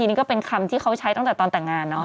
นี่ก็เป็นคำที่เขาใช้ตั้งแต่ตอนแต่งงานเนาะ